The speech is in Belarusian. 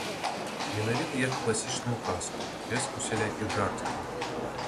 Менавіта як класічную казку, без усялякіх жарцікаў.